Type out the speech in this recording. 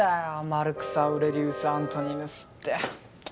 マルクスアウレリウス・アントニヌスって。